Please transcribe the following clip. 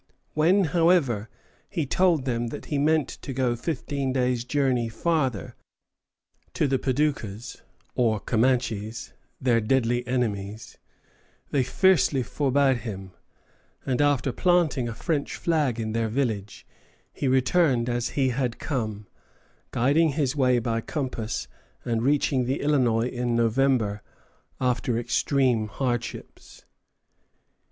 When, however, he told them that he meant to go fifteen days' journey farther, to the Padoucas, or Comanches, their deadly enemies, they fiercely forbade him; and after planting a French flag in their village, he returned as he had come, guiding his way by compass, and reaching the Illinois in November, after extreme hardships.